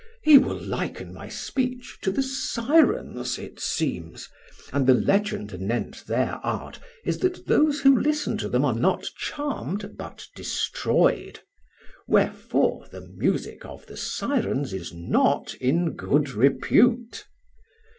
He will liken my speech to the Sirens', it seems, and the legend anent their art is that those who listen to them are not charmed, but destroyed; wherefore the music of the Sirens is not in good repute.